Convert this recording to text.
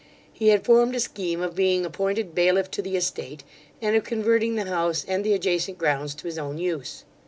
He had formed a scheme of being appointed bailiff to the estate, and of converting the house and the adjacent grounds to his own use.